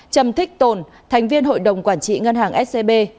trầm thích tồn thành viên hội đồng quản trị ngân hàng scb